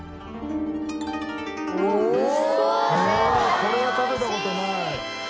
これは食べた事ない。